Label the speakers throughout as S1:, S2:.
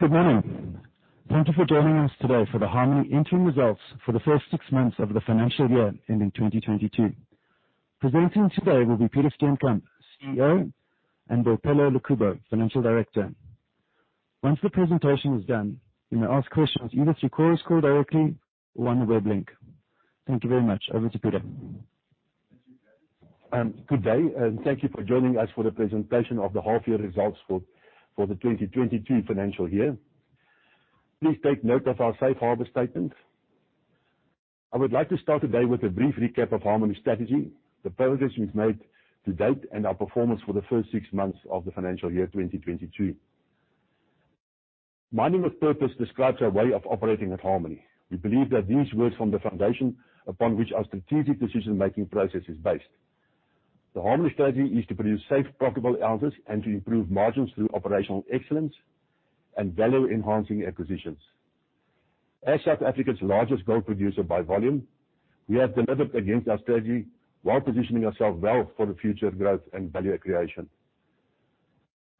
S1: Good morning. Thank you for joining us today for the Harmony interim results for the first six months of the financial year ending 2022. Presenting today will be Peter Steenkamp, CEO, and Boipelo Lekubo, Financial Director. Once the presentation is done, you may ask questions either through Chorus Call directly or on the web link. Thank you very much. Over to Peter.
S2: Good day and thank you for joining us for the presentation of the half-year results for the 2022 financial year. Please take note of our Safe Harbor Statement. I would like to start today with a brief recap of Harmony strategy, the progress we've made to date, and our performance for the first six months of the financial year 2023. Mining with purpose describes our way of operating at Harmony. We believe that these words form the foundation upon which our strategic decision-making process is based. The Harmony strategy is to produce safe, profitable ounces and to improve margins through operational excellence and value-enhancing acquisitions. As South Africa's largest gold producer by volume, we have delivered against our strategy while positioning ourselves well for the future growth and value creation.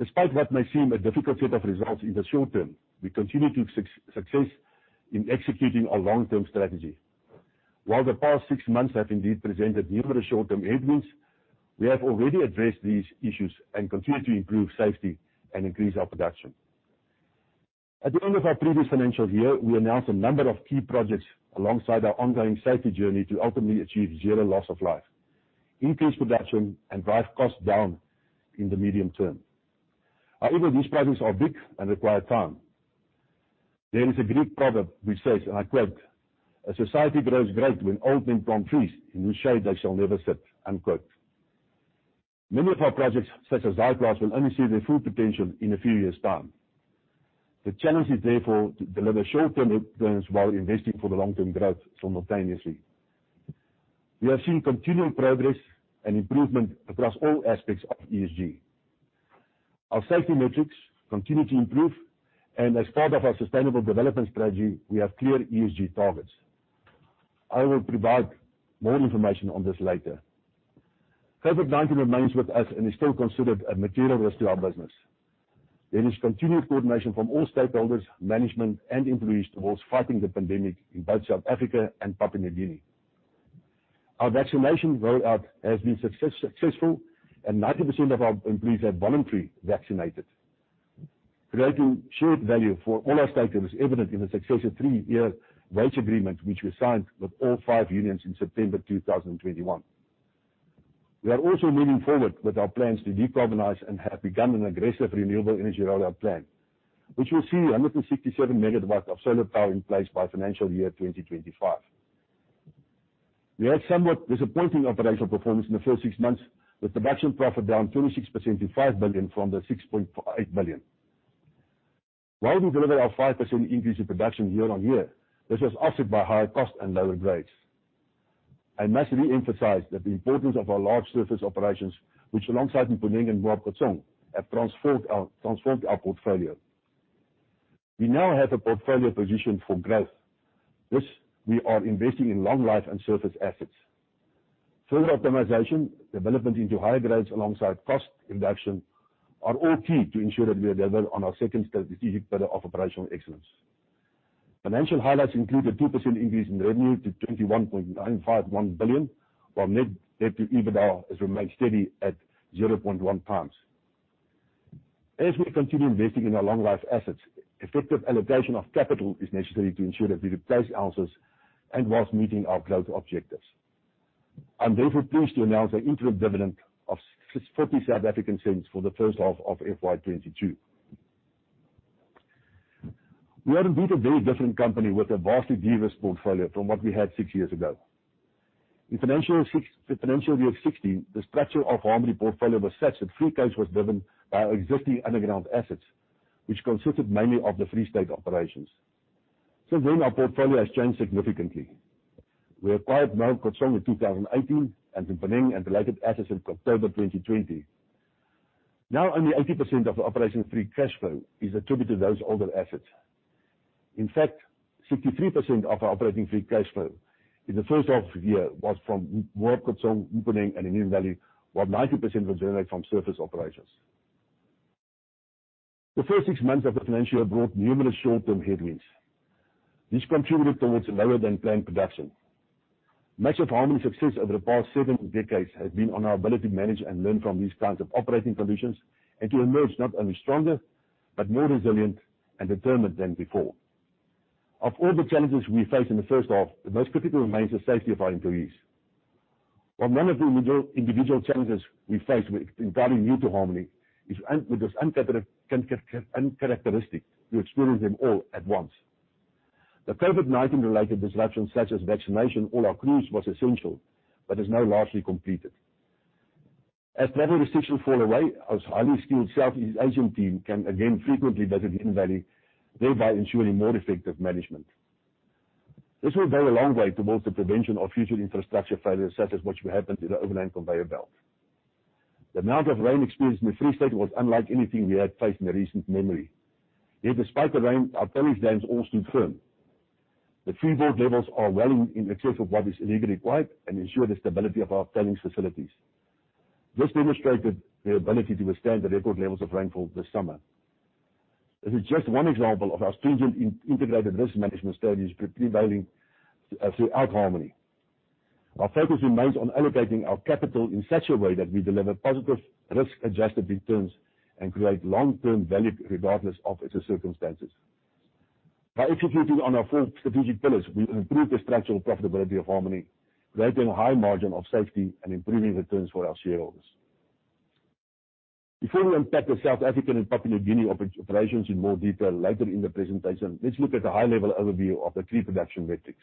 S2: Despite what may seem a difficult set of results in the short term, we continue to succeed in executing our long-term strategy. While the past six months have indeed presented numerous short-term headwinds, we have already addressed these issues and continue to improve safety and increase our production. At the end of our previous financial year, we announced a number of key projects alongside our ongoing safety journey to ultimately achieve zero loss of life, increase production and drive costs down in the medium term. However, these projects are big and require time. There is a Greek proverb which says, and I quote, "A society grows great when old men plant trees in whose shade they shall never sit." Unquote. Many of our projects, such as Zaaiplaats, will only see their full potential in a few years' time. The challenge is therefore to deliver short-term returns while investing for the long-term growth simultaneously. We are seeing continuing progress and improvement across all aspects of ESG. Our safety metrics continue to improve. As part of our sustainable development strategy, we have clear ESG targets. I will provide more information on this later. COVID-19 remains with us and is still considered a material risk to our business. There is continued coordination from all stakeholders, management, and employees towards fighting the pandemic in both South Africa and Papua New Guinea. Our vaccination rollout has been successful, and 90% of our employees have voluntarily vaccinated. Creating shared value for all our stakeholders, evident in the success of three-year wage agreement, which we signed with all five unions in September 2021. We are also moving forward with our plans to decarbonize and have begun an aggressive renewable energy rollout plan, which will see 167 MW of solar power in place by FY 2025. We had somewhat disappointing operational performance in the first six months, with production profit down 26% to 5 billion from 6.58 billion. While we deliver our 5% increase in production year-on-year, this was offset by higher cost and lower grades. I must re-emphasize that the importance of our large surface operations, which alongside Mponeng and Moab Khotsong, have transformed our portfolio. We now have a portfolio positioned for growth. This, we are investing in long life and surface assets. Further optimization, development into higher grades alongside cost reduction are all key to ensure that we deliver on our second strategic pillar of operational excellence. Financial highlights include a 2% increase in revenue to 21.951 billion, while net debt to EBITDA has remained steady at 0.1x. As we continue investing in our long life assets, effective allocation of capital is necessary to ensure that we replace ounces and whilst meeting our growth objectives. I'm therefore pleased to announce our interim dividend of 0.60 for the first half of FY 2022. We are indeed a very different company with a vastly diverse portfolio from what we had six years ago. In financial year 2016, the structure of Harmony's portfolio was such that free cash was driven by our existing underground assets, which consisted mainly of the Free State operations. Since then, our portfolio has changed significantly. We acquired Moab Khotsong in 2018 and Mponeng and related assets in October 2020. Now, only 80% of the operating free cash flow is attributed to those older assets. In fact, 63% of our operating free cash flow in the first half year was from Mponeng, Moab Khotsong, and Hidden Valley, while 90% was generated from surface operations. The first six months of the financial year brought numerous short-term headwinds. This contributed towards lower than planned production. Much of Harmony's success over the past seven decades has been on our ability to manage and learn from these kinds of operating conditions, and to emerge not only stronger, but more resilient and determined than before. Of all the challenges we face in the first half, the most critical remains the safety of our employees. While none of the individual challenges we face were entirely new to Harmony, it was uncharacteristic to experience them all at once. The COVID-19 related disruptions, such as vaccinating all our crews was essential, but is now largely completed. As travel restrictions fall away, our highly skilled South East Asian team can again frequently visit Hidden Valley, thereby ensuring more effective management. This will go a long way towards the prevention of future infrastructure failures, such as what happened to the overland conveyor belt. The amount of rain experienced in the Free State was unlike anything we had faced in recent memory. Yet despite the rain, our tailings dams all stood firm. The freeboard levels are well in excess of what is legally required and ensure the stability of our tailings facilities. This demonstrated the ability to withstand the record levels of rainfall this summer. This is just one example of our stringent integrated risk management strategies prevailing throughout Harmony. Our focus remains on allocating our capital in such a way that we deliver positive risk-adjusted returns and create long-term value regardless of its circumstances. By executing on our four strategic pillars, we improve the structural profitability of Harmony, creating a high margin of safety and improving returns for our shareholders. Before we unpack the South African and Papua New Guinea operations in more detail later in the presentation, let's look at the high-level overview of the key production metrics.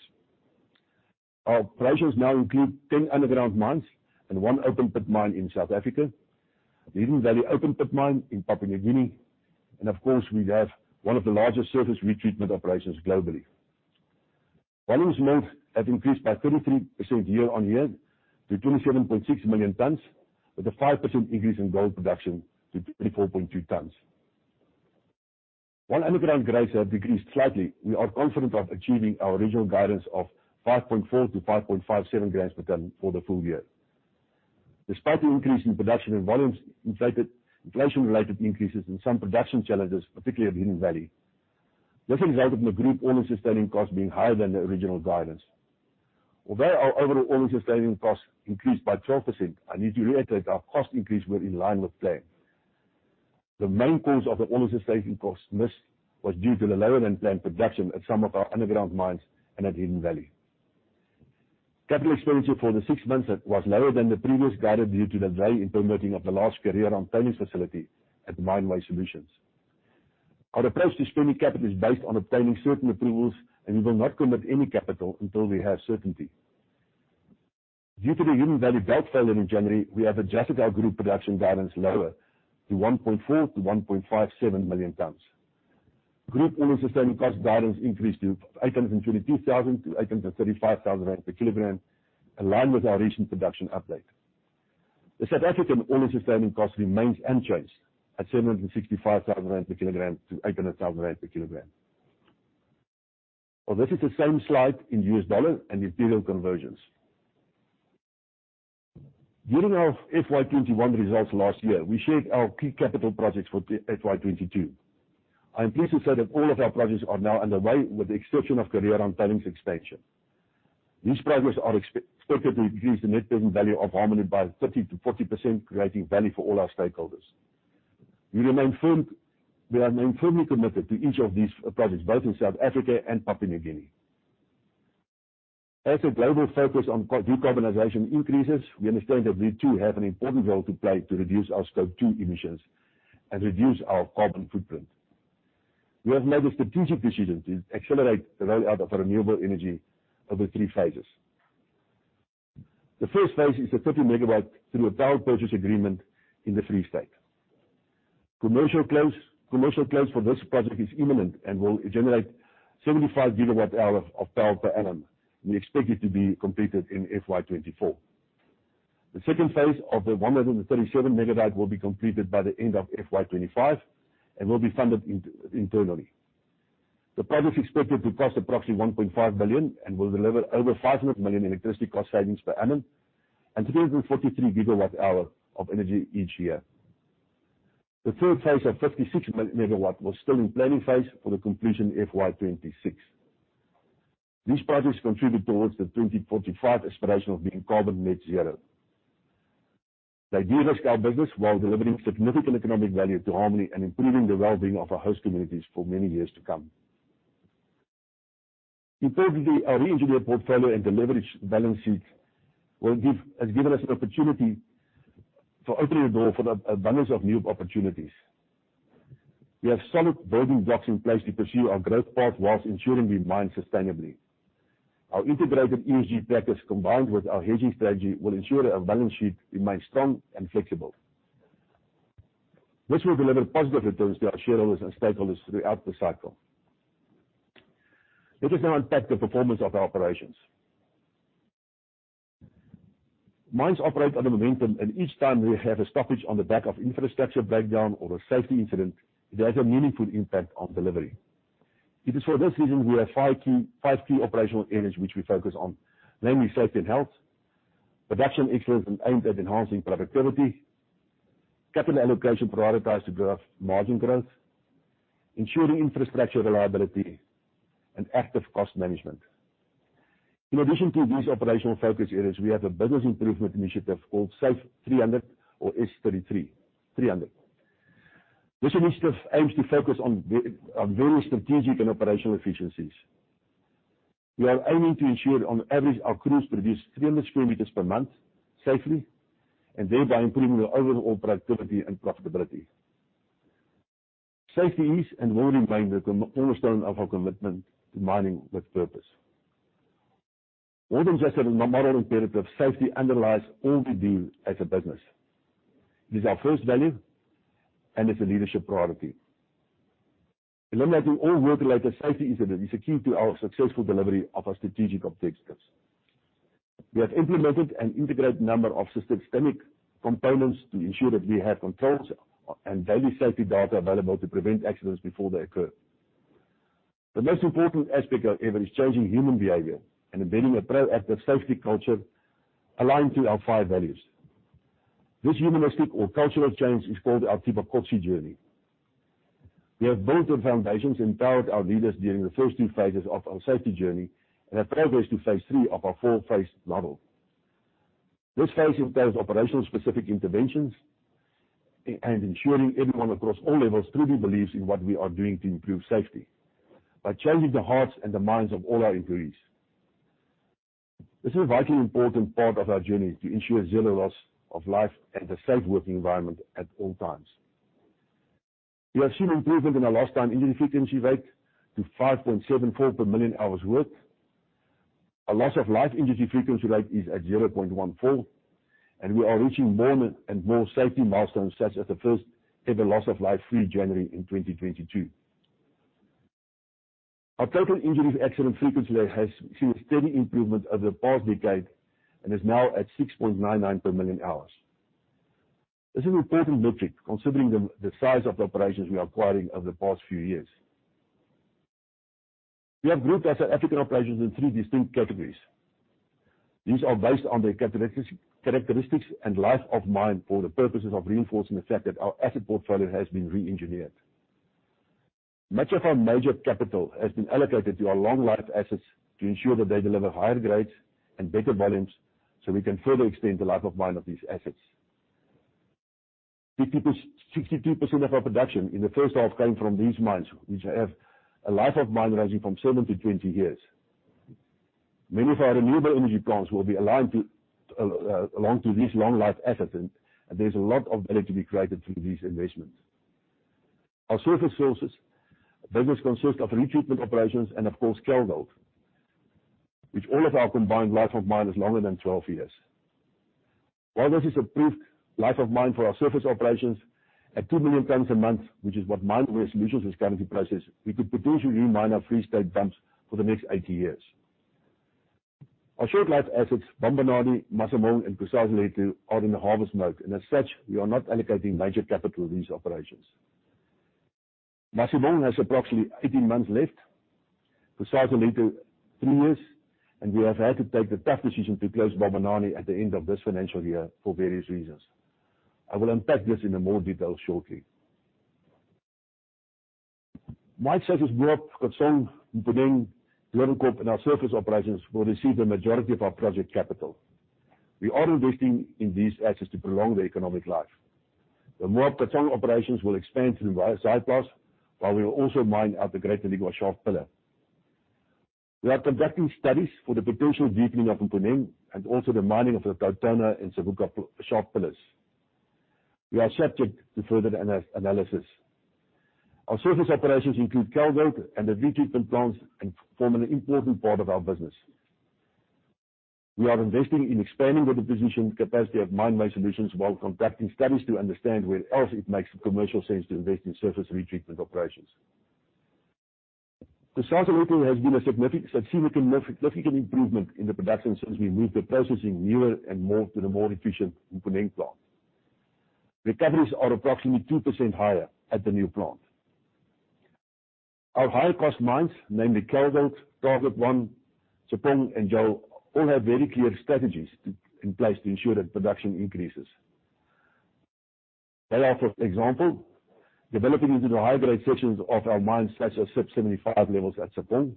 S2: Our operations now include 10 underground mines and one open-pit mine in South Africa, the Hidden Valley open-pit mine in Papua New Guinea, and of course, we have one of the largest surface retreatment operations globally. Volumes mined have increased by 33% year-on-year to 27.6 million tons, with a 5% increase in gold production to 24.2 tons. While underground grades have decreased slightly, we are confident of achieving our original guidance of 5.4-5.57 grams per ton for the full year. Despite the increase in production and volumes inflated, inflation-related increases and some production challenges, particularly at Hidden Valley, this resulted in the group all-in sustaining costs being higher than the original guidance. Although our overall all-in sustaining costs increased by 12%, I need to reiterate our cost increase were in line with plan. The main cause of the all-in sustaining costs miss was due to the lower-than-planned production at some of our underground mines and at Hidden Valley. Capital expenditure for the six months was lower than the previously guided due to the delay in permitting of the Kareerand tailings facility at Mine Waste Solutions. Our approach to spending capital is based on obtaining certain approvals, and we will not commit any capital until we have certainty. Due to the Hidden Valley belt failure in January, we have adjusted our group production guidance lower to 1.4-1.57 million tons. Group all-in sustaining costs guidance increased to 822,000-835,000 per kg, aligned with our recent production update. The South African all-in sustaining costs remains unchanged at 765,000-800,000 rand per kg. Well, this is the same slide in USD and the rand conversions. During our FY 2021 results last year, we shared our key capital projects for FY 2022. I am pleased to say that all of our projects are now underway with the exception of Kareerand Tailings expansion. These projects are expected to increase the net present value of Harmony by 30%-40%, creating value for all our stakeholders. We remain firm, we remain firmly committed to each of these projects, both in South Africa and Papua New Guinea. As the global focus on decarbonization increases, we understand that we too have an important role to play to reduce our Scope 2 emissions and reduce our carbon footprint. We have made a strategic decision to accelerate the rollout of renewable energy over three phases. The first phase is the 30 MW through a power purchase agreement in the Free State. Commercial close for this project is imminent and will generate 75 GWh of power per annum. We expect it to be completed in FY 2024. The second phase of the 137 MW will be completed by the end of FY 2025 and will be funded internally. The project is expected to cost approximately 1.5 billion and will deliver over 500 million electricity cost savings per annum and 343 GWh of energy each year. The third phase of 56 MW was still in planning phase for the conclusion FY 2026. These projects contribute towards the 2045 aspiration of being carbon net zero. They de-risk our business while delivering significant economic value to Harmony and improving the well-being of our host communities for many years to come. In total, our reengineered portfolio and the leveraged balance sheet has given us an opportunity to open the door for the abundance of new opportunities. We have solid building blocks in place to pursue our growth path while ensuring we mine sustainably. Our integrated ESG practice, combined with our hedging strategy, will ensure our balance sheet remains strong and flexible. This will deliver positive returns to our shareholders and stakeholders throughout the cycle. Let us now unpack the performance of our operations. Mines operate on the momentum, and each time we have a stoppage on the back of infrastructure breakdown or a safety incident, it has a meaningful impact on delivery. It is for this reason we have five key operational areas which we focus on, namely safety and health, production excellence aimed at enhancing productivity, capital allocation prioritized to drive margin growth, ensuring infrastructure reliability, and active cost management. In addition to these operational focus areas, we have a business improvement initiative called Safety 300 or S300. This initiative aims to focus on various strategic and operational efficiencies. We are aiming to ensure on average our crews produce 300 sq m per month safely, and thereby improving the overall productivity and profitability. Safety is and will remain the cornerstone of our commitment to mining with purpose. More than just a moral imperative, safety underlies all we do as a business. It is our first value, and it's a leadership priority. Eliminating all work-related safety incidents is a key to our successful delivery of our strategic objectives. We have implemented and integrated a number of systemic components to ensure that we have controls and daily safety data available to prevent accidents before they occur. The most important aspect however is changing human behavior and embedding a proactive safety culture aligned to our five values. This humanistic or cultural change is called our Thibakotsi journey. We have built the foundations, empowered our leaders during the first two phases of our safety journey, and have progressed to phase three of our four-phase model. This phase entails operational specific interventions and ensuring everyone across all levels truly believes in what we are doing to improve safety by changing the hearts and the minds of all our employees. This is a vitally important part of our journey to ensure zero loss of life and a safe working environment at all times. We have seen improvement in our lost time injury frequency rate to 5.74 per million hours worked. Our fatal injury frequency rate is at 0.14, and we are reaching more and more safety milestones, such as the first ever loss of life free January in 2022. Our total injury accident frequency rate has seen steady improvement over the past decade and is now at 6.99 per million hours. This is an important metric considering the size of the operations we are acquiring over the past few years. We have grouped our African operations in three distinct categories. These are based on the characteristics and life of mine for the purposes of reinforcing the fact that our asset portfolio has been re-engineered. Much of our major capital has been allocated to our long life assets to ensure that they deliver higher grades and better volumes, so we can further extend the life of mine of these assets. 50%-62% of our production in the first half came from these mines, which have a life of mine ranging from 7-20 years. Many of our renewable energy plants will be aligned to, along to these long life assets, and there's a lot of value to be created through these investments. Our surface sources, those consist of retreatment operations and of course, gold, which all of our combined life of mine is longer than 12 years. While this is approved life of mine for our surface operations at 2 million tons a month, which is what Mine Waste Solutions is currently processing, we could potentially re-mine our Free State dumps for the next 80 years. Our short life assets, Bambanani, Masimong, and Kusasalethu are in the harvest mode, and as such, we are not allocating major capital to these operations. Masimong has approximately 18 months left. Kusasalethu, three years, and we have had to take the tough decision to close Bambanani at the end of this financial year for various reasons. I will unpack this in more detail shortly. Our mine sites are Moab Khotsong, Mponeng, Doornkop, and our surface operations will receive the majority of our project capital. We are investing in these assets to prolong their economic life. The Moab Khotsong operations will expand through the Zaaiplaats, while we will also mine out the Great Noligwa shaft pillar. We are conducting studies for the potential deepening of Mponeng and also the mining of the TauTona and Savuka shaft pillars. We are subject to further analysis. Our surface operations include Kalgold and the retreatment plants and form an important part of our business. We are investing in expanding the deposition capacity of Mine Waste Solutions while conducting studies to understand where else it makes commercial sense to invest in surface retreatment operations. Kusasalethu has been a significant improvement in the production since we moved the processing nearer to the more efficient Mponeng plant. Recoveries are approximately 2% higher at the new plant. Our higher cost mines, namely Kalgold, Target 1, Tshepong, and Joel all have very clear strategies in place to ensure that production increases. They are, for example, developing into the high-grade sections of our mines such as sub-75 levels at Tshepong,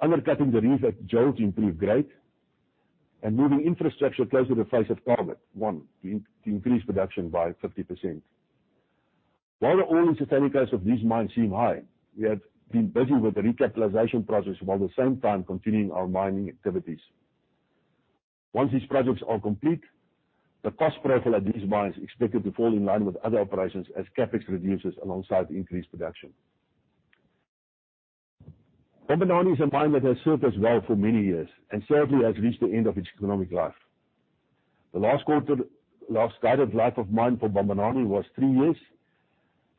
S2: undercutting the reef at Joel to improve grade, and moving infrastructure closer to the face of Target 1 to increase production by 50%. While the all-in sustaining costs of these mines seem high, we have been busy with the recapitalization process while at the same time continuing our mining activities. Once these projects are complete, the cost profile at these mines is expected to fall in line with other operations as CapEx reduces alongside increased production. Bambanani is a mine that has served us well for many years and sadly has reached the end of its economic life. The last guided life of mine for Bambanani was three years,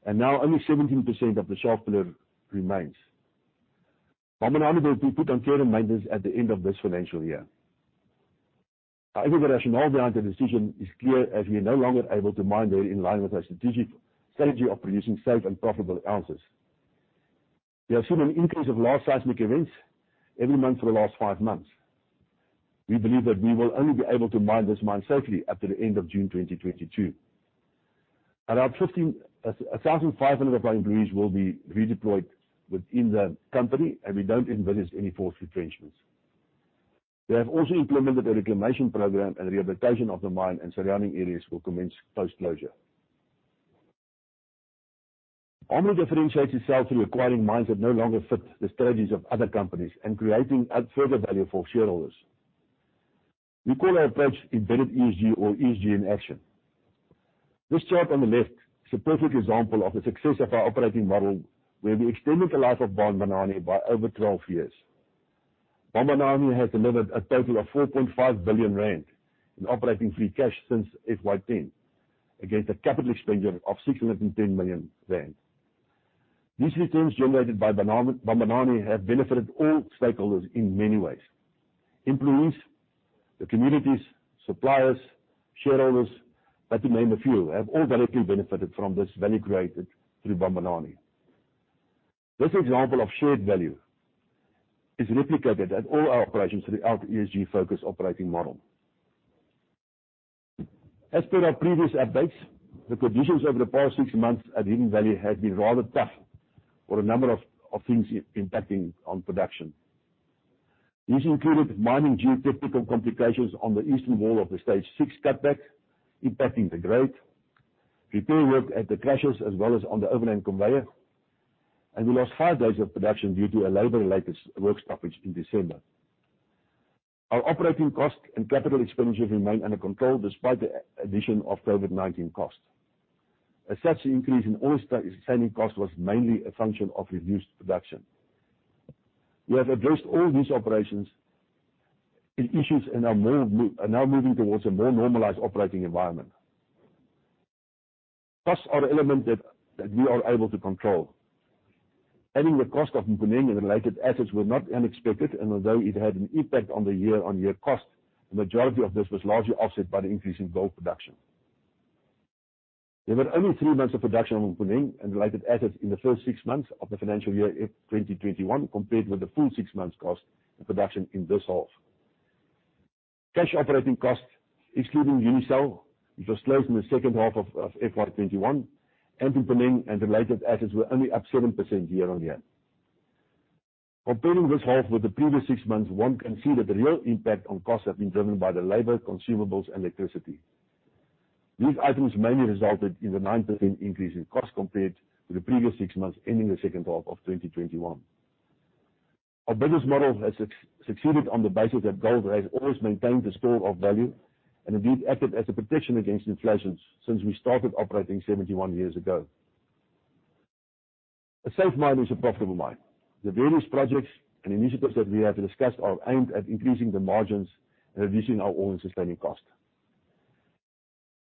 S2: and now only 17% of the shaft pillar remains. Bambanani will be put on care and maintenance at the end of this financial year. Our rationale behind the decision is clear, as we are no longer able to mine there in line with our strategy of producing safe and profitable ounces. We have seen an increase of large seismic events every month for the last five months. We believe that we will only be able to mine this mine safely up to the end of June 2022. Around 1,500 of our employees will be redeployed within the company, and we don't envisage any forced retrenchments. We have also implemented a reclamation program, and rehabilitation of the mine and surrounding areas will commence post-closure. Harmony differentiates itself through acquiring mines that no longer fit the strategies of other companies and creating further value for shareholders. We call our approach embedded ESG or ESG in action. This chart on the left is a perfect example of the success of our operating model, where we extended the life of Bambanani by over 12 years. Bambanani has delivered a total of 4.5 billion rand in operating free cash since FY 2010, against a capital expenditure of 610 million rand. These returns generated by Bambanani have benefited all stakeholders in many ways. Employees, the communities, suppliers, shareholders, but to name a few, have all directly benefited from this value created through Bambanani. This example of shared value is replicated at all our operations through the ESG focus operating model. As per our previous updates, the conditions over the past six months at Hidden Valley has been rather tough, with a number of things impacting on production. These included mining geotechnical complications on the eastern wall of the Stage 6 cutback impacting the grade, repair work at the crushers as well as on the overland conveyor, and we lost five days of production due to a labor-related work stoppage in December. Our operating costs and capital expenditures remain under control despite the addition of COVID-19 costs. As such, the increase in all sustaining costs was mainly a function of reduced production. We have addressed all these operations and issues and are now moving towards a more normalized operating environment. Costs are elements that we are able to control. Adding the cost of Mponeng and related assets were not unexpected, and although it had an impact on the year-on-year cost, the majority of this was largely offset by the increase in gold production. There were only three months of production on Mponeng and related assets in the first six months of the financial year FY 2021, compared with the full six months cost of production in this half. Cash operating costs, excluding Unisel, which was closed in the second half of FY 2021, and Mponeng and related assets were only up 7% year-on-year. Comparing this half with the previous six months, one can see that the real impact on costs have been driven by the labor, consumables, and electricity. These items mainly resulted in the 9% increase in cost compared to the previous six months, ending the second half of 2021. Our business model has succeeded on the basis that gold has always maintained the store of value and indeed acted as a protection against inflation since we started operating 71 years ago. A safe mine is a profitable mine. The various projects and initiatives that we have discussed are aimed at increasing the margins and reducing our own sustaining cost.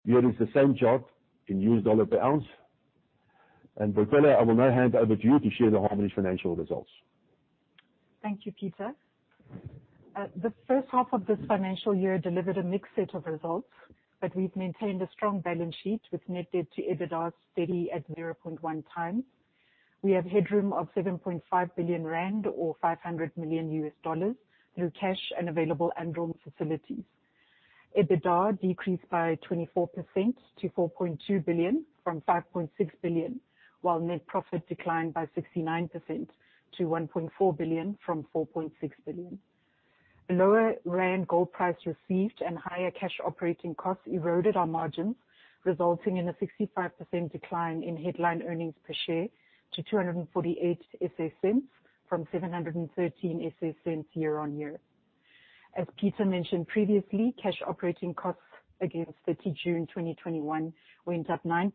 S2: Here is the same chart in U.S. dollar per ounce. Boipelo, I will now hand over to you to share the Harmony financial results.
S3: Thank you, Peter. The first half of this financial year delivered a mixed set of results, but we've maintained a strong balance sheet with net debt to EBITDA steady at 0.1x. We have headroom of 7.5 billion rand, or $500 million, through cash and available undrawn facilities. EBITDA decreased by 24% to 4.2 billion from 5.6 billion, while net profit declined by 69% to 1.4 billion from 4.6 billion. The lower rand gold price received and higher cash operating costs eroded our margins, resulting in a 65% decline in headline earnings per share to 2.48 from 7.13 year-on-year. As Peter mentioned previously, cash operating costs against 30 June 2021 went up 9%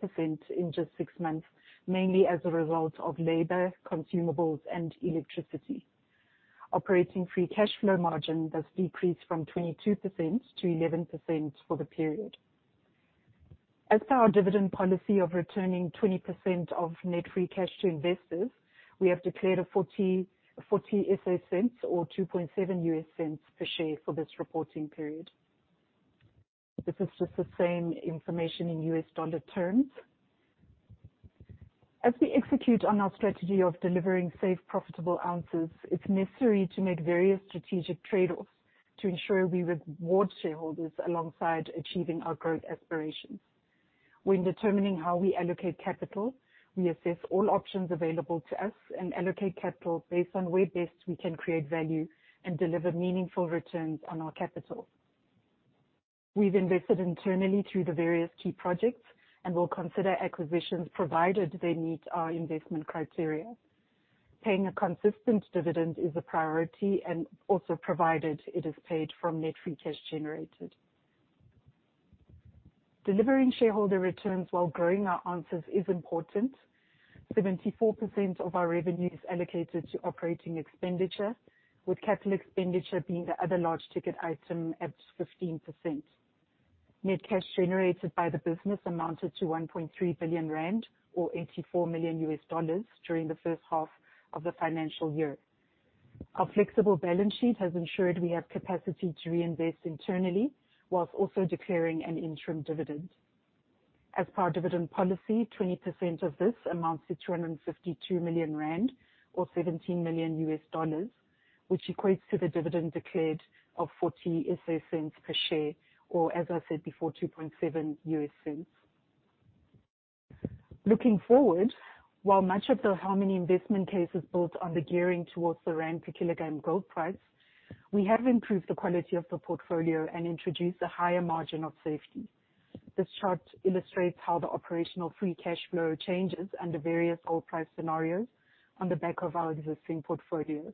S3: in just six months, mainly as a result of labor, consumables, and electricity. Operating free cash flow margin thus decreased from 22% to 11% for the period. As per our dividend policy of returning 20% of net free cash to investors, we have declared 0.40 or $0.027 per share for this reporting period. This is just the same information in U.S. dollar terms. As we execute on our strategy of delivering safe, profitable ounces, it's necessary to make various strategic trade-offs to ensure we reward shareholders alongside achieving our growth aspirations. When determining how we allocate capital, we assess all options available to us and allocate capital based on where best we can create value and deliver meaningful returns on our capital. We've invested internally through the various key projects, and we'll consider acquisitions provided they meet our investment criteria. Paying a consistent dividend is a priority and also provided it is paid from net free cash generated. Delivering shareholder returns while growing our ounces is important. 74% of our revenue is allocated to operating expenditure, with capital expenditure being the other large ticket item at 15%. Net cash generated by the business amounted to 1.3 billion rand, or $84 million during the first half of the financial year. Our flexible balance sheet has ensured we have capacity to reinvest internally while also declaring an interim dividend. As per our dividend policy, 20% of this amounts to 252 million rand, or $17 million, which equates to the dividend declared of 0.40 per share, or, as I said before, $0.027. Looking forward, while much of the Harmony investment case is built on the gearing towards the ZAR per kg gold price, we have improved the quality of the portfolio and introduced a higher margin of safety. This chart illustrates how the operational free cash flow changes under various gold price scenarios on the back of our existing portfolio.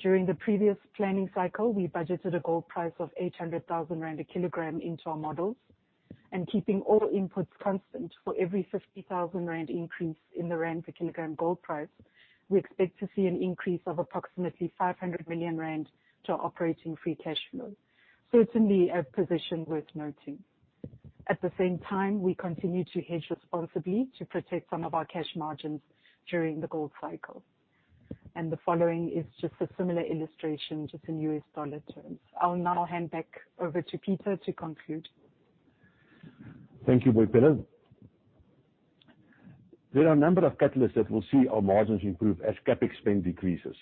S3: During the previous planning cycle, we budgeted a gold price of 800,000 rand a kg into our models. Keeping all inputs constant, for every 50,000 rand increase in the ZAR per kg gold price, we expect to see an increase of approximately 500 million rand to operating free cash flow. Certainly a position worth noting. At the same time, we continue to hedge responsibly to protect some of our cash margins during the gold cycle. The following is just a similar illustration, just in U.S. dollar terms. I'll now hand back over to Peter to conclude.
S2: Thank you, Boipelo. There are a number of catalysts that will see our margins improve as CapEx spend decreases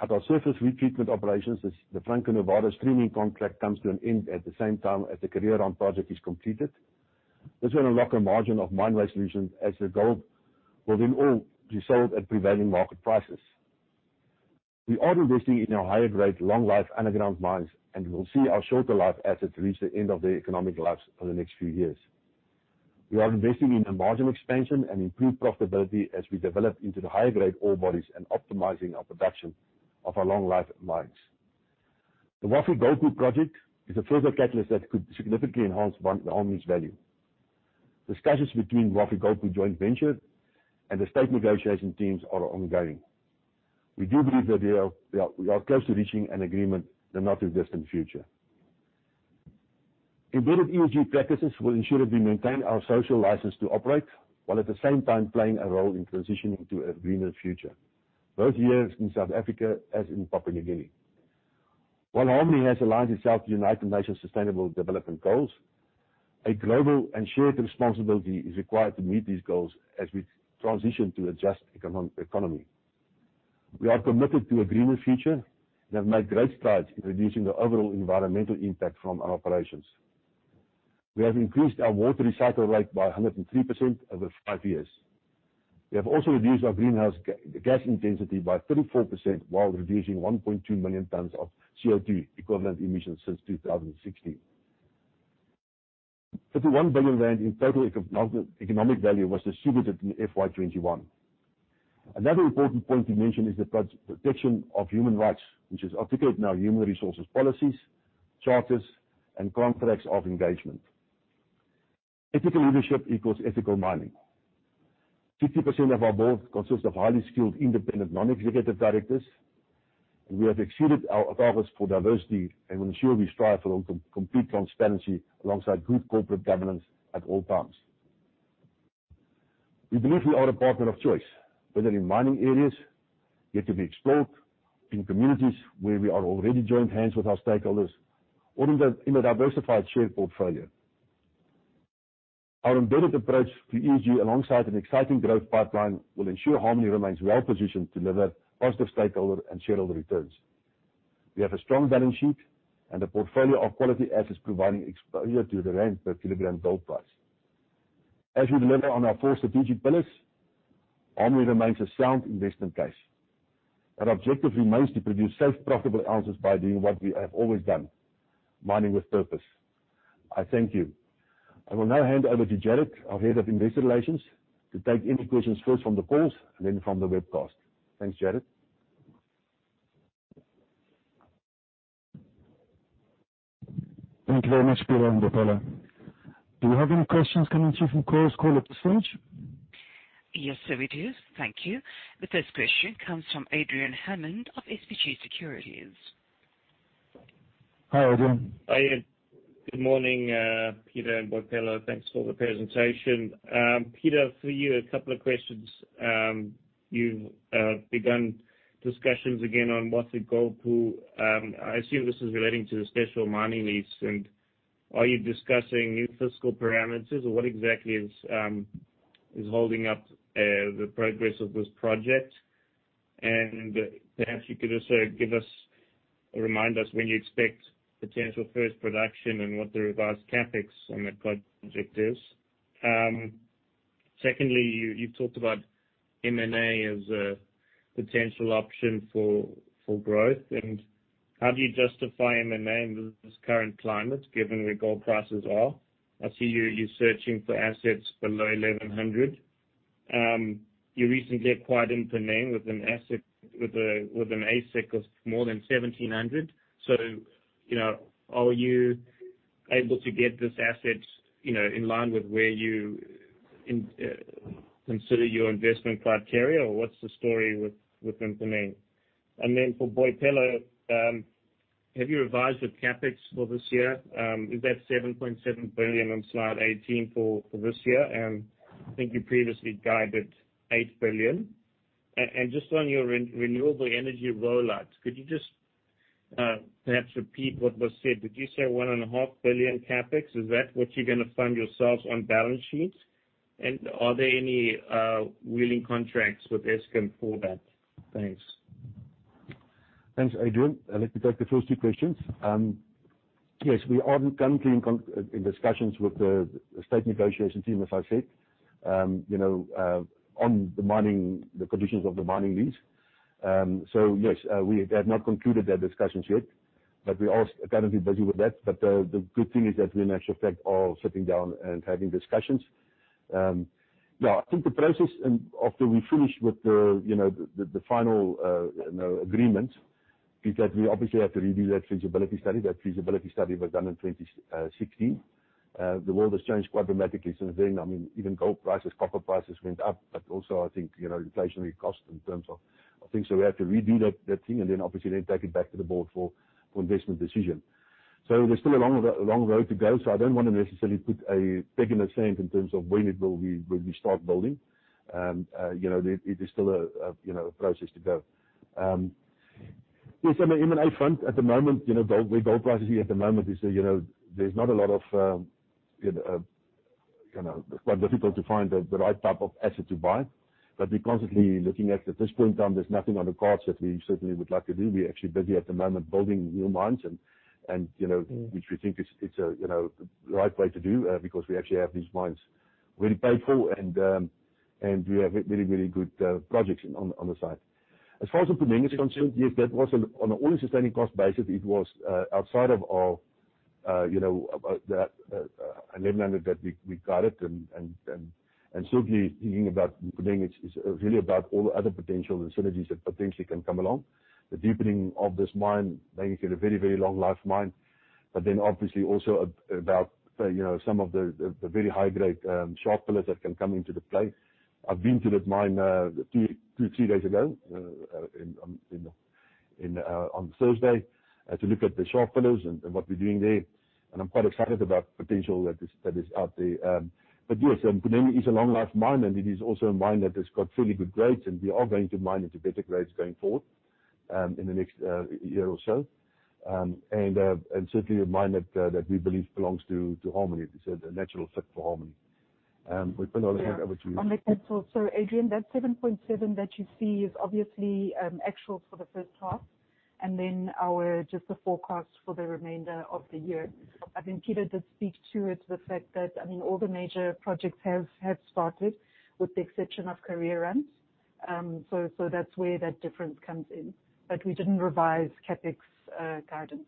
S2: at our surface retreatment operations as the Franco-Nevada streaming contract comes to an end at the same time as the Kareerand project is completed. This will unlock a margin of Mine Waste Solutions as the gold will then all be sold at prevailing market prices. We are investing in our higher-grade, long-life underground mines, and we will see our shorter life assets reach the end of their economic lives over the next few years. We are investing in a margin expansion and improved profitability as we develop into the high-grade ore bodies and optimizing our production of our long-life mines. The Wafi-Golpu project is a further catalyst that could significantly enhance Harmony's value. Discussions between Wafi-Golpu joint venture and the state negotiation teams are ongoing. We do believe that we are close to reaching an agreement in the not-too-distant future. Embedded ESG practices will ensure that we maintain our social license to operate, while at the same time playing a role in transitioning to a greener future, both here in South Africa as in Papua New Guinea. While Harmony has aligned itself to United Nations Sustainable Development Goals, a global and shared responsibility is required to meet these goals as we transition to adjust economy. We are committed to a greener future and have made great strides in reducing the overall environmental impact from our operations. We have increased our water recycle rate by 103% over five years. We have also reduced our greenhouse gas intensity by 34% while reducing 1.2 million tons of CO2 equivalent emissions since 2016. 51 billion rand in total socio-economic value was distributed in FY 2021. Another important point to mention is the proper protection of human rights, which is articulated in our human resources policies, charters, and contracts of engagement. Ethical leadership equals ethical mining. 50% of our board consists of highly skilled, independent, non-executive directors, and we have exceeded our targets for diversity and ensure we strive for complete transparency alongside good corporate governance at all times. We believe we are a partner of choice, whether in mining areas yet to be explored, in communities where we are already joined hands with our stakeholders, or in a diversified share portfolio. Our embedded approach to ESG alongside an exciting growth pipeline will ensure Harmony remains well-positioned to deliver positive stakeholder and shareholder returns. We have a strong balance sheet and a portfolio of quality assets providing exposure to the rand per kg gold price. As we deliver on our four strategic pillars, Harmony remains a sound investment case. Our objective remains to produce safe, profitable ounces by doing what we have always done, mining with purpose. I thank you. I will now hand over to Jared, our Head of Investor Relations, to take any questions first from the calls and then from the webcast. Thanks, Jared.
S1: Thank you very much, Peter and Boipelo. Do you have any questions coming through from calls, Paula, at this stage?
S4: Yes, we do. Thank you. The first question comes from Adrian Hammond of SBG Securities.
S2: Hi, Adrian.
S5: Hi. Good morning, Peter and Boipelo. Thanks for the presentation. Peter, for you, a couple of questions. You've begun discussions again on Wafi-Golpu. I assume this is relating to the special mining lease. Are you discussing new fiscal parameters or what exactly is holding up the progress of this project? Perhaps you could also give us or remind us when you expect potential first production and what the revised CapEx on that project is. Secondly, you talked about M&A as a potential option for growth. How do you justify M&A in this current climate, given where gold prices are? I see you searching for assets below $1,100. You recently acquired Mponeng with an AISC of more than $1,700. So, you know, are you able to get this asset, you know, in line with where you consider your investment criteria, or what's the story with Mponeng? For Boipelo, have you revised the CapEx for this year? Is that 7.7 billion on slide 18 for this year? I think you previously guided 8 billion. Just on your renewable energy rollout, could you just perhaps repeat what was said? Did you say 1.5 billion CapEx? Is that what you're gonna fund yourselves on balance sheet? Are there any wheeling contracts with Eskom for that? Thanks.
S2: Thanks, Adrian. Let me take the first two questions. Yes, we are currently in discussions with the state negotiation team, as I said, you know, on the mining, the conditions of the mining lease. Yes, we have not concluded their discussions yet, but we are currently busy with that. The good thing is that we in actual fact are sitting down and having discussions. Yeah, I think the process and after we finish with the, you know, the final agreement is that we obviously have to redo that feasibility study. That feasibility study was done in 2016. The world has changed quite dramatically since then. I mean, even gold prices, copper prices went up, but also I think, you know, inflationary costs in terms of things. We have to redo that thing and then obviously take it back to the board for investment decision. There's still a long road to go. I don't wanna necessarily put a peg in the sand in terms of when we start building. It is still a process to go. Yes, I'm in M&A mode at the moment. Given where the gold price is here at the moment, there's not a lot of. It's quite difficult to find the right type of asset to buy. We're constantly looking at it. At this point in time, there's nothing on the cards that we certainly would like to do. We're actually busy at the moment building new mines and you know.
S3: Mm-hmm.
S2: Which we think is, it's you know the right way to do because we actually have these mines really paid for and we have very very good projects on the side. As far as Mponeng is concerned, yes, that was on an all-in sustaining cost basis. It was outside of our you know that $1,100 that we got it and certainly thinking about Mponeng is really about all the other potential and synergies that potentially can come along. The deepening of this mine makes it a very very long life mine. Obviously also about you know some of the very high grade shaft pillars that can come into play. I've been to that mine, two, three days ago, in on Thursday, to look at the shaft pillars and what we're doing there. I'm quite excited about potential that is out there. Mponeng is a long life mine, and it is also a mine that has got fairly good grades. We are going to mine it to better grades going forward, in the next year or so. Certainly a mine that we believe belongs to Harmony. It's a natural fit for Harmony. We've been only here-
S3: Yeah.
S2: over two years.
S3: [On slide 18]. Adrian, that 7.7 billion that you see is obviously actuals for the first half and then our just a forecast for the remainder of the year. I think Peter did speak to it, the fact that, I mean, all the major projects have started, with the exception of Kareerand. That's where that difference comes in. We didn't revise CapEx guidance.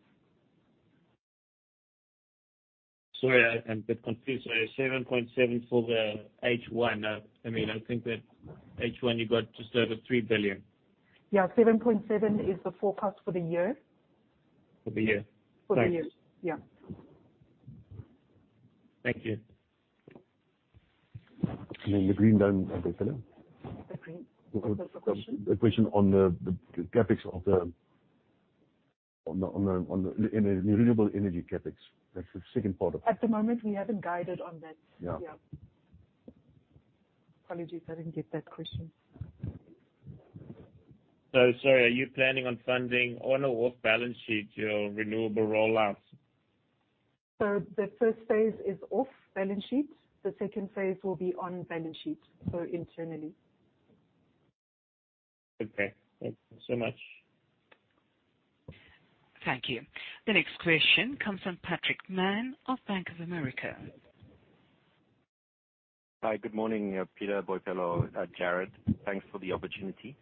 S2: Sorry, I'm a bit confused. 7.7 billion for the H1. I mean, I think that H1 you got just over 3 billion.
S3: Yeah, 7.7 billion is the forecast for the year.
S5: For the year.
S3: For the year.
S2: Thanks.
S3: Yeah.
S2: Thank you. Then the green down, Boipelo.
S3: The green? What was the question?
S2: The question on the CapEx of the renewable energy CapEx. That's the second part of it.
S3: At the moment, we haven't guided on that.
S2: Yeah.
S3: Yeah. Apologies, I didn't get that question.
S5: Sorry, are you planning on funding on or off balance sheet your renewable rollouts?
S3: The first phase is off-balance sheet. The second phase will be on-balance sheet, so internally.
S5: Okay. Thank you so much.
S4: Thank you. The next question comes from Patrick Mann of Bank of America.
S6: Hi. Good morning, Peter, Boipelo, Jared. Thanks for the opportunity.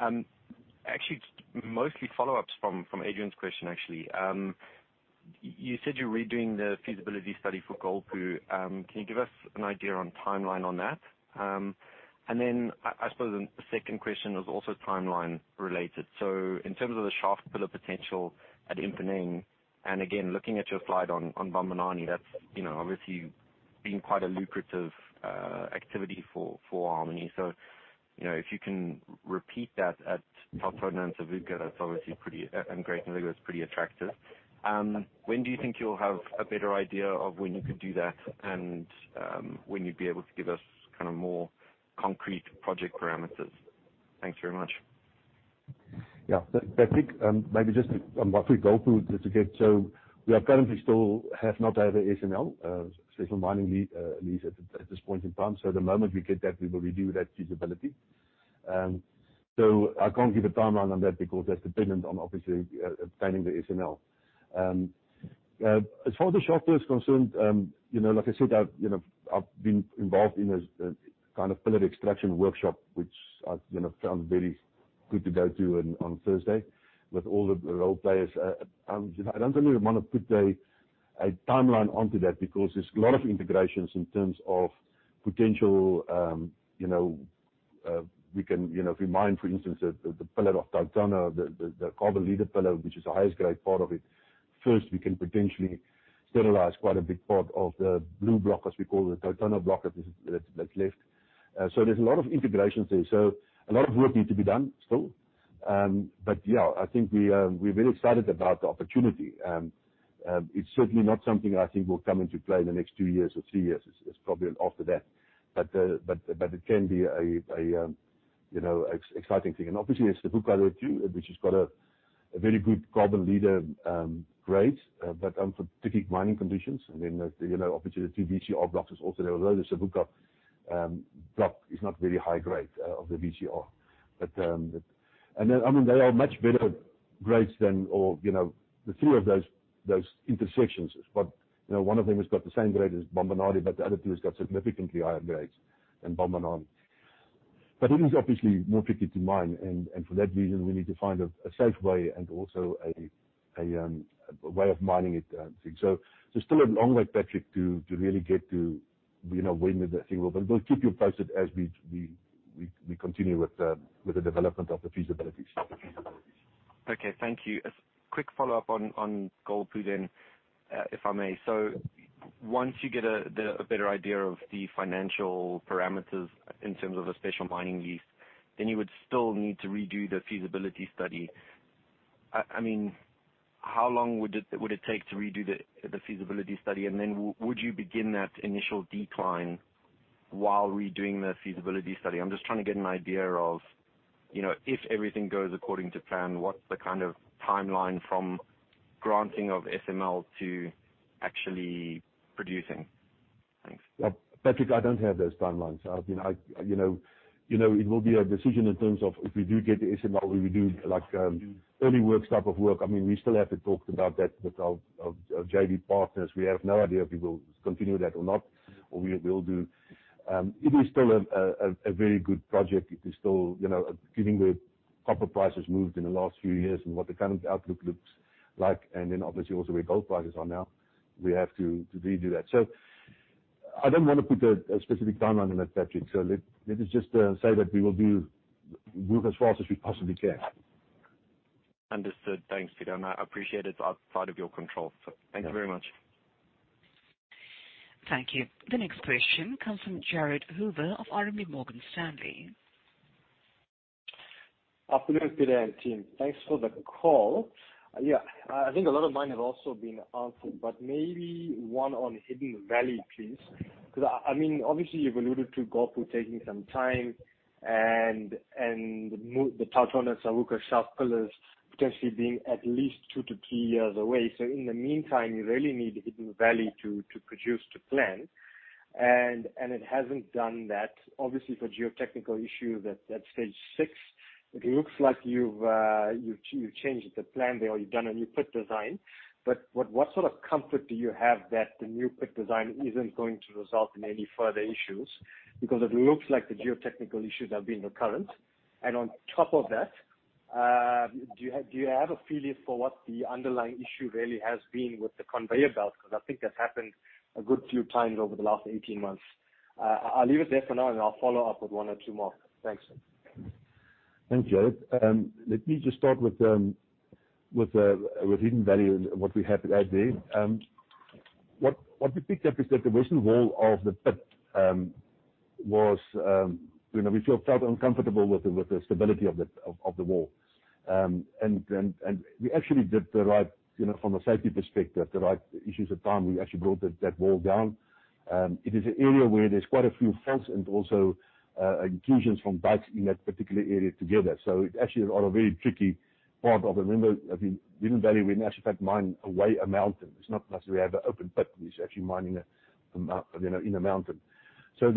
S6: Actually just mostly follow-ups from Adrian's question actually. You said you're redoing the feasibility study for Golpu. Can you give us an idea on timeline on that? Then I suppose a second question is also timeline related. In terms of the shaft pillar potential at Mponeng, and again, looking at your slide on Bambanani, that's, you know, obviously been quite a lucrative activity for Harmony. You know, if you can repeat that at TauTona and Savuka, that's obviously pretty, and Great Noligwa is pretty attractive. When do you think you'll have a better idea of when you could do that and when you'd be able to give us kinda more concrete project parameters? Thanks very much.
S2: Yeah. Patrick, maybe just on what we go through to get. We are currently still have not had a SML, Special Mining Lease at this point in time. The moment we get that, we will review that feasibility. I can't give a timeline on that because that's dependent on obviously, obtaining the SML. As far as the shop floor is concerned, you know, like I said, you know, I've been involved in a kind of pillar extraction workshop, which I, you know, found very good to go to on Thursday with all the role players. You know, I don't really want to put a timeline onto that because there's a lot of interactions in terms of potential. We can, you know, if we mine, for instance, the pillar of TauTona, the Carbon Leader pillar, which is the highest grade part of it, first, we can potentially sterilize quite a big part of the blue block, as we call the TauTona block that's left. There's a lot of interactions there. A lot of work needs to be done still. I think we're very excited about the opportunity. It's certainly not something I think will come into play in the next two years or three years. It's probably after that. It can be a you know, exciting thing. Obviously, there's Savuka too, which has got a very good Carbon Leader grade, but for specific mining conditions. Then there's you know, opportunity VCR block is also there, although the Savuka block is not very high grade of the VCR. Then, I mean, there are much better grades than, or you know, the three of those intersections. One of them has got the same grade as Bambanani, but the other two has got significantly higher grades than Bambanani. It is obviously more tricky to mine, and for that reason, we need to find a safe way and also a way of mining it thing. Still a long way, Patrick, to really get to, you know, when the thing will. We'll keep you posted as we continue with the development of the feasibilities.
S6: Okay. Thank you. A quick follow-up on Golpu then, if I may. So once you get a better idea of the financial parameters in terms of a special mining lease. Then you would still need to redo the feasibility study. I mean, how long would it take to redo the feasibility study? And then would you begin that initial decline while redoing the feasibility study? I'm just trying to get an idea of, you know, if everything goes according to plan, what's the kind of timeline from granting of SML to actually producing? Thanks.
S2: Patrick, I don't have those timelines. I mean, you know, it will be a decision in terms of if we do get the SML, we will do like early work type of work. I mean, we still have to talk about that with our JV partners. We have no idea if we will continue that or not. It is still a very good project. It is still, you know, given the copper prices moved in the last few years and what the current outlook looks like, and then obviously also where gold prices are now, we have to redo that. I don't wanna put a specific timeline on that, Patrick. Let us just say that we will move as fast as we possibly can.
S6: Understood. Thanks, Peter. I appreciate it's outside of your control. Thank you very much.
S4: Thank you. The next question comes from Jared Hoover of RMB Morgan Stanley.
S7: Afternoon, Peter and team. Thanks for the call. Yeah. I think a lot of my have also been answered, but maybe one on Hidden Valley, please, 'cause I mean, obviously you've alluded to Golpu taking some time and the TauTona and Savuka shaft pillars potentially being at least 2-3 years away. In the meantime, you really need Hidden Valley to produce to plan. It hasn't done that, obviously for geotechnical issue that's at Stage 6. It looks like you've changed the plan there, you've done a new pit design. But what sort of comfort do you have that the new pit design isn't going to result in any further issues? Because it looks like the geotechnical issues have been recurrent. And on top of that, do you have a feeling for what the underlying issue really has been with the conveyor belt? 'Cause I think that's happened a good few times over the last 18 months. I'll leave it there for now, and I'll follow up with one or two more. Thanks.
S2: Thanks, Jared. Let me just start with Hidden Valley and what we have to add there. What we picked up is that the western wall of the pit was, you know, we felt uncomfortable with the stability of the wall. We actually did the right thing, you know, from a safety perspective, at the time, we actually brought that wall down. It is an area where there's quite a few faults and also inclusions from dikes in that particular area together. It actually is on a very tricky part of the window of the Hidden Valley. We've actually had to mine away a mountain. It's not like we have an open pit. We're actually mining a mountain, you know, in a mountain. We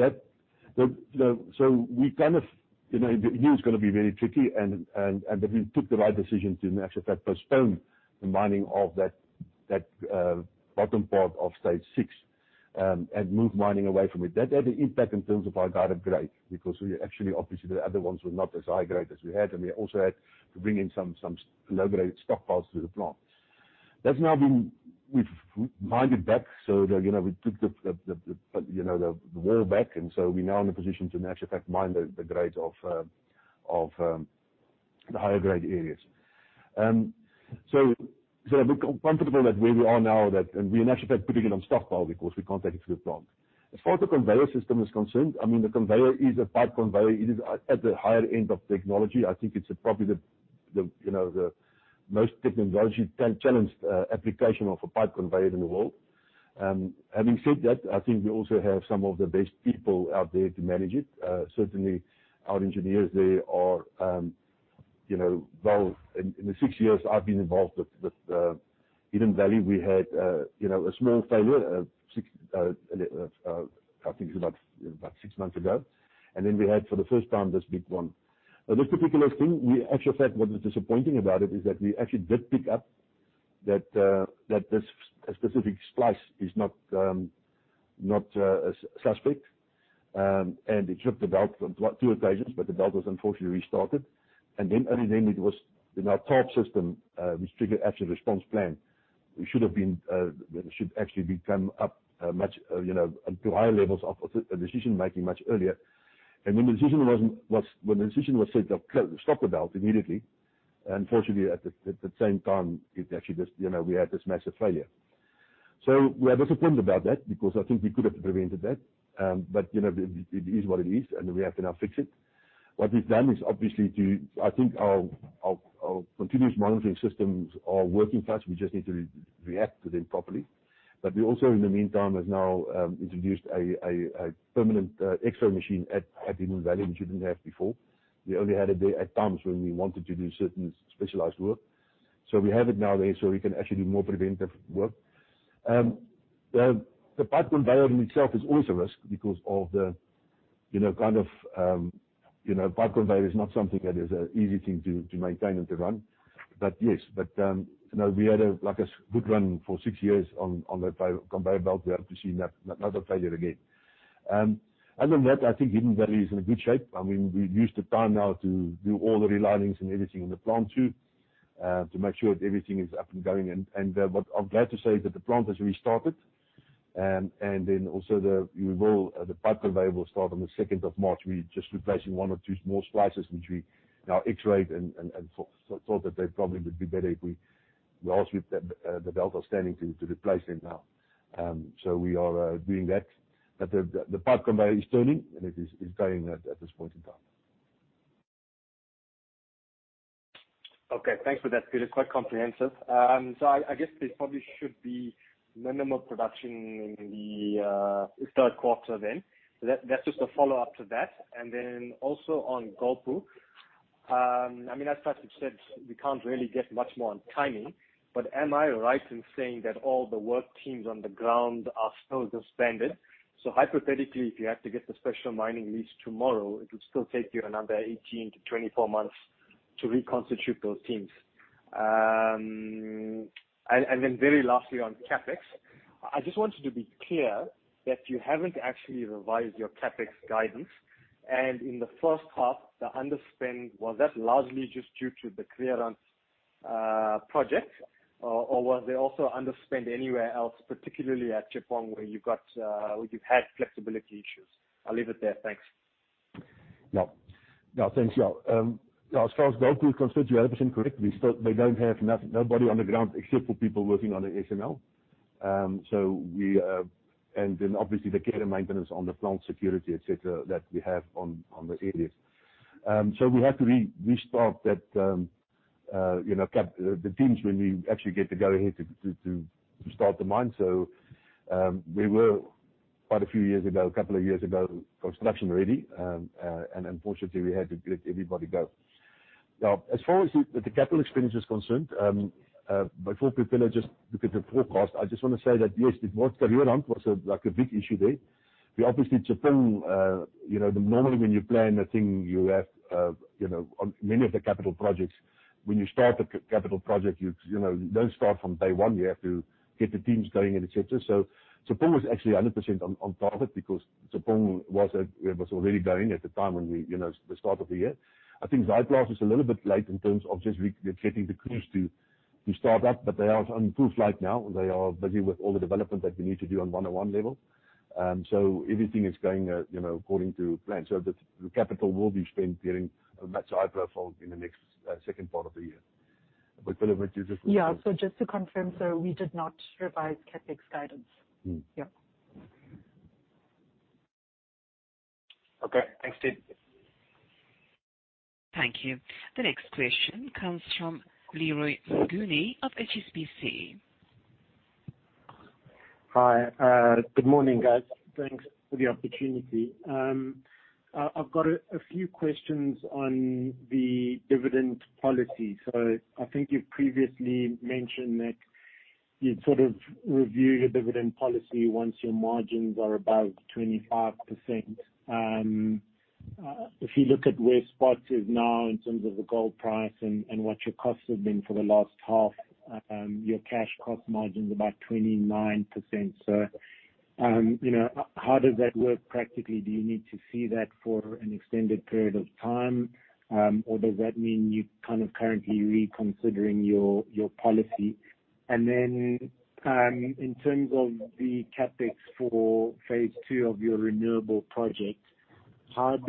S2: kind of, you know, here it's gonna be very tricky, but we took the right decision to in actual fact postpone the mining of that bottom part of Stage 6 and move mining away from it. That had an impact in terms of our guided grade, because we actually, obviously the other ones were not as high grade as we had, and we also had to bring in some low-grade stockpiles to the plant. We've mined it back, so that, you know, we took the wall back, and we're now in a position to in actual fact mine the grades of the higher grade areas. We're comfortable that where we are now, and we in actual fact putting it on stockpile because we can't take it to the plant. As far as the conveyor system is concerned, I mean, the conveyor is a pipe conveyor. It is at the higher end of technology. I think it's probably the, you know, the most technology challenged application of a pipe conveyor in the world. Having said that, I think we also have some of the best people out there to manage it. Certainly our engineers, they are. Well, in the six years I've been involved with Hidden Valley, we had a small failure six months ago. Then we had for the first time this big one. This particular thing, we actually felt what was disappointing about it is that we actually did pick up that this specific splice is not suspect. It tripped the belt on two occasions, but the belt was unfortunately restarted. Only then it was in our top system, which triggered actual response plan. We should actually have escalated to higher levels of decision making much earlier. When the decision was set up, stop the belt immediately, unfortunately at the same time, it actually just we had this massive failure. We are disappointed about that because I think we could have prevented that. It is what it is, and we have to now fix it. What we've done is obviously, I think, our continuous monitoring systems are working for us. We just need to re-react to them properly. We also in the meantime have now introduced a permanent X-ray machine at Hidden Valley, which we didn't have before. We only had it there at times when we wanted to do certain specialized work. We have it now there, so we can actually do more preventive work. The pipe conveyor in itself is also a risk because of the you know, kind of, you know, pipe conveyor is not something that is an easy thing to maintain and to run. Yes, you know, we had like a good run for six years on that pipe conveyor belt. We hope to see not a failure again. Other than that, I think Hidden Valley is in a good shape. I mean, we've used the time now to do all the relinings and everything in the plant too, to make sure everything is up and going. What I'm glad to say is that the plant has restarted, and then also the pipe conveyor will start on the second of March. We're just replacing one or two small splices, which we now X-rayed and thought that they probably would be better if we also have the belts are standing by to replace them now. We are doing that. The pipe conveyor is turning, and it is going at this point in time.
S7: Okay. Thanks for that. It is quite comprehensive. I guess there probably should be minimal production in the third quarter then. That's just a follow-up to that. Also on Golpu. I mean, as Patrick said, we can't really get much more on timing, but am I right in saying that all the work teams on the ground are still disbanded? Hypothetically, if you had to get the Special Mining Lease tomorrow, it would still take you another 18-24 months to reconstitute those teams. Very lastly, on CapEx. I just want you to be clear that you haven't actually revised your CapEx guidance. In the first half, the underspend, was that largely just due to the clearance project? Or was there also underspend anywhere else, particularly at Tshepong where you've got, or you've had flexibility issues? I'll leave it there. Thanks.
S2: Thanks. As far as Golpu is concerned, you're 100% correct. They don't have nobody on the ground except for people working on the SML. Then obviously the care and maintenance on the plant security, et cetera, that we have on those areas. We have to restart that, you know, the teams when we actually get to go ahead to start the mine. We were quite a few years ago, a couple of years ago, production ready. Unfortunately, we had to let everybody go. Now, as far as the capital expenditure is concerned, before people just look at the forecast, I just wanna say that, yes, the Waterkloof was like a big issue there. We obviously Tshepong, you know, normally when you plan a thing, you have, you know, on many of the capital projects, when you start a capital project, you know, don't start from day one. You have to get the teams going and et cetera. Tshepong was actually 100% on target because Tshepong was already going at the time when we, you know, the start of the year. I think Zaaiplaats was a little bit late in terms of just getting the crews to start up, but they are in full flight now. They are busy with all the development that we need to do on one-on-one level. Everything is going, you know, according to plan. The capital will be spent during much higher profile in the next second part of the year. Philip, what you just-
S3: Yeah. Just to confirm, we did not revise CapEx guidance.
S2: Mm.
S3: Yeah.
S7: Okay. Thanks, team.
S4: Thank you. The next question comes from Leroy Mnguni of HSBC.
S8: Hi. Good morning, guys. Thanks for the opportunity. I've got a few questions on the dividend policy. I think you've previously mentioned that you'd sort of review your dividend policy once your margins are above 25%. If you look at where spot is now in terms of the gold price and what your costs have been for the last half, your cash cost margin is about 29%. You know, how does that work practically? Do you need to see that for an extended period of time? Or does that mean you're kind of currently reconsidering your policy? In terms of the CapEx for phase II of your renewable project,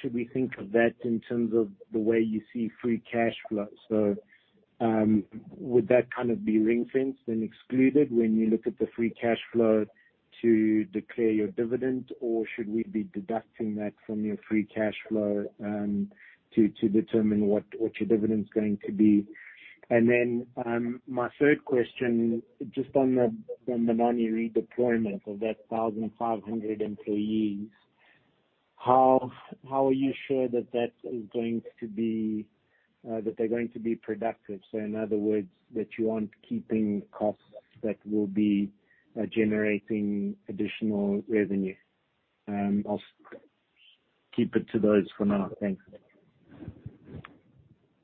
S8: should we think of that in terms of the way you see free cash flow? Would that kind of be ring-fenced and excluded when you look at the free cash flow to declare your dividend, or should we be deducting that from your free cash flow to determine what your dividend is going to be? My third question, just on the non-redeployment of that 1,500 employees, how are you sure that that is going to be that they're going to be productive? In other words, that you aren't keeping costs that will be generating additional revenue. I'll keep it to those for now. Thanks.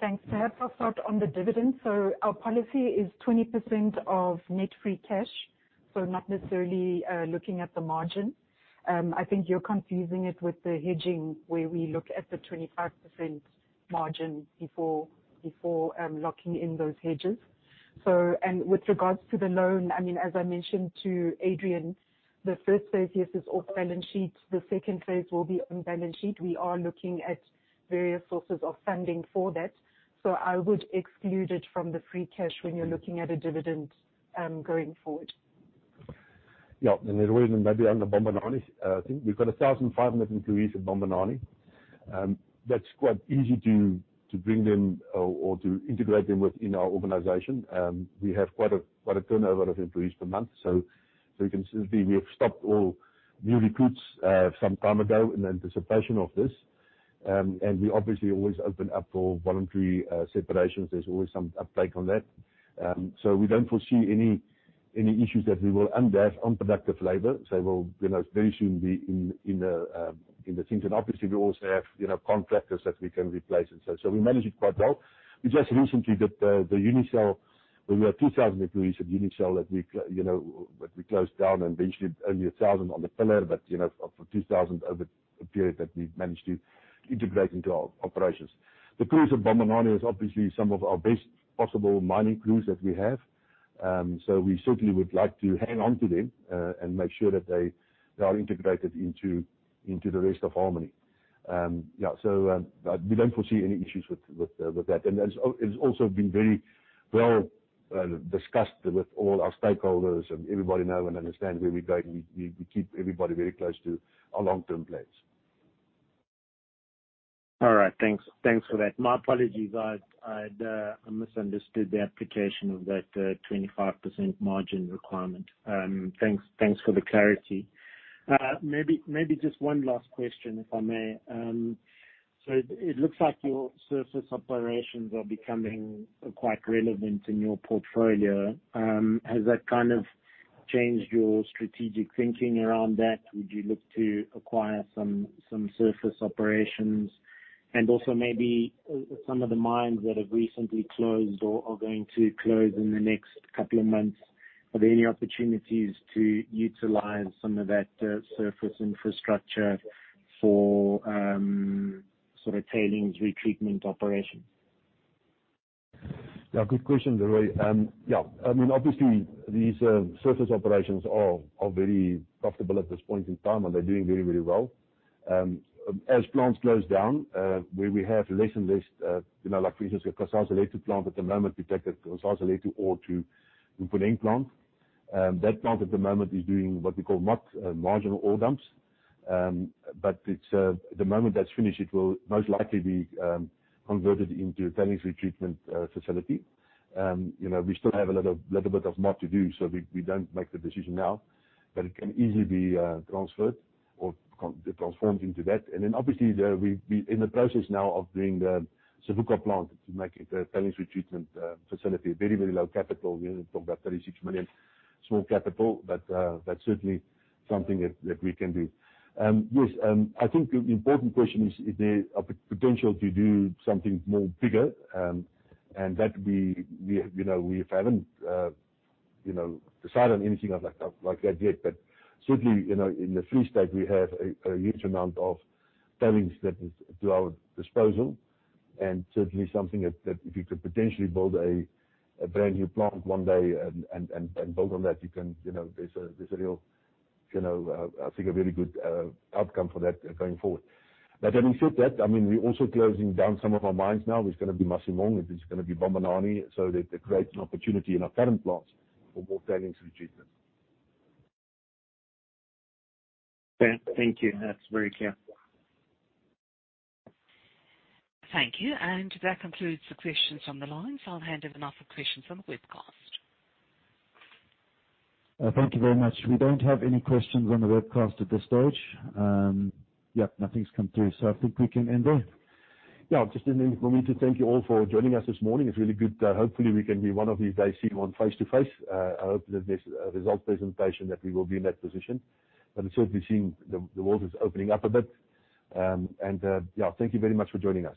S3: Thanks. I'll start on the dividend. Our policy is 20% of net free cash, so not necessarily looking at the margin. I think you're confusing it with the hedging, where we look at the 25% margin before locking in those hedges. With regards to the loan, I mean, as I mentioned to Adrian, the first phase, yes, is off balance sheet. The second phase will be on balance sheet. We are looking at various sources of funding for that. I would exclude it from the free cash when you're looking at a dividend going forward.
S2: Yeah. Leroy, maybe on the Bambanani thing. We've got 1,500 employees at Bambanani. That's quite easy to bring them or to integrate them within our organization. We have quite a turnover of employees per month. You can see we have stopped all new recruits some time ago in anticipation of this. We obviously always open up for voluntary separations. There's always some uptake on that. We don't foresee any issues that we will end up unproductive labor. We'll, you know, very soon be in the things. Obviously, we also have, you know, contractors that we can replace. We manage it quite well. We just recently did the Unisel. We were 2,000 employees at Unisel that we you know, that we closed down and eventually only 1,000 on the pillar, but you know, for 2,000 over a period that we've managed to integrate into our operations. The crews of Bambanani is obviously some of our best possible mining crews that we have. So we certainly would like to hang on to them and make sure that they are integrated into the rest of Harmony. We don't foresee any issues with that. It's also been very well discussed with all our stakeholders and everybody know and understand where we're going. We keep everybody very close to our long-term plans.
S8: All right. Thanks. Thanks for that. My apologies. I'd misunderstood the application of that 25% margin requirement. Thanks for the clarity. Maybe just one last question, if I may. So it looks like your surface operations are becoming quite relevant in your portfolio. Has that kind of changed your strategic thinking around that? Would you look to acquire some surface operations? Also maybe some of the mines that have recently closed or are going to close in the next couple of months, are there any opportunities to utilize some of that surface infrastructure for sort of tailings retreatment operations?
S2: Yeah, good question, Leroy. Yeah. I mean, obviously these surface operations are very profitable at this point in time, and they're doing very, very well. As plants close down, where we have less and less, you know, like for instance, Kusasalethu plant at the moment, we take Kusasalethu ore to Mponeng plant. That plant at the moment is doing what we call MOD, marginal ore dumps. But it's the moment that's finished, it will most likely be converted into a tailings retreatment facility. You know, we still have a little bit of MOD to do, so we don't make the decision now. It can easily be transferred or transformed into that. Obviously, we in the process now of doing the Savuka plant to make it a tailings retreatment facility. Very, very low capital. We only talk about 36 million, small capital, but that's certainly something that we can do. Yes, I think the important question is if there are potential to do something more bigger, and that we you know we haven't you know decided on anything like that like that yet. Certainly, you know, in the Free State, we have a huge amount of tailings at our disposal, and certainly something that if you could potentially build a brand new plant one day and build on that, you can, you know, there's a real, you know, I think a very good outcome for that going forward. Having said that, I mean, we're also closing down some of our mines now. There's gonna be Masimong, there's gonna be Bambanani. So that creates an opportunity in our current plants for more tailings retreatment.
S8: Okay, thank you. That's very clear.
S4: Thank you. That concludes the questions on the lines. I'll hand over now for questions on the webcast.
S1: Thank you very much. We don't have any questions on the webcast at this stage. Yeah, nothing's come through, so I think we can end there.
S2: Just to thank you all for joining us this morning. It's really good. Hopefully, we can one of these days be seeing you face to face. I hope that this results presentation we will be in that position, but certainly seeing the world is opening up a bit. Yeah, thank you very much for joining us.